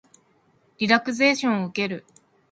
リラクゼーションを受ける